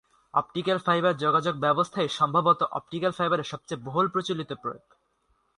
Optical fibre যোগাযোগ ব্যবস্থাই সম্ভবত অপটিক্যাল ফাইবারের সবচেয়ে বহুল প্রচলিত প্রয়োগ।